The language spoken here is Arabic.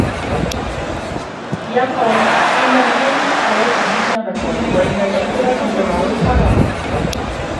يا قوم إنما هذه الحياة الدنيا متاع وإن الآخرة هي دار القرار